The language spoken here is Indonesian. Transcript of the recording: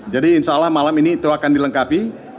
jadi insya allah malam ini itu akan dilengkapi